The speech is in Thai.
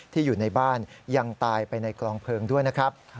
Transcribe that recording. อยู่ในบ้านยังตายไปในกลองเพลิงด้วยนะครับ